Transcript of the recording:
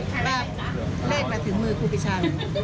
ว่าเลขมาถึงมือครูปิชา